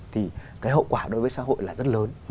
thì cái hậu quả đối với xã hội là rất lớn